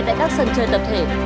cũng là một trong những tác nhân